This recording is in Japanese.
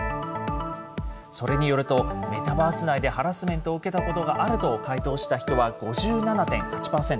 それによると、メタバース内でハラスメントを受けたことがあると回答した人は５７．８％。